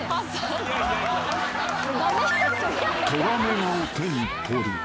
［トラメガを手に取る］